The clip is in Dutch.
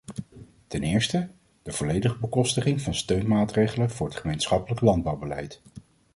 Ten eerste: de volledige bekostiging van steunmaatregelen voor het gemeenschappelijk landbouwbeleid.